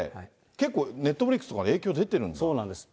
結構ネットフリックスとか影響出てるんですか。